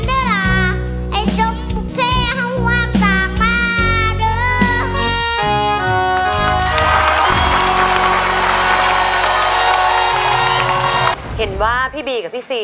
ก็น่าเชื่อนะว่าอ้ายชิบพ่อหักแพ้